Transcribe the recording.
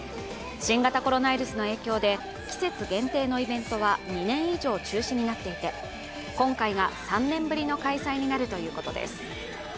新型コロナウイルスの影響で季節限定のイベントは２年以上中止になっていて今回が３年ぶりの開催になるということです。